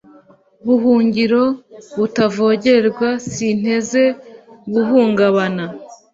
buhungiro butavogerwa, sinteze guhubangana